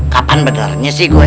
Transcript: kapan benarnya sih gue